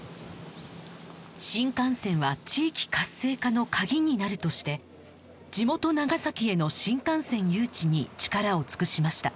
新幹線は地域活性化の鍵になるとして地元長崎への新幹線誘致に力を尽くしました